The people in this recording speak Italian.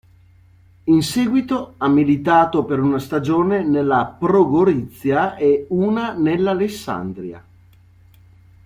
In seguito ha militato per una stagione nella Pro Gorizia e una nell'Alessandria.